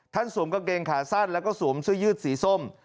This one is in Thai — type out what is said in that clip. สวมกางเกงขาสั้นแล้วก็สวมเสื้อยืดสีส้ม